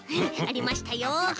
ありましたよ。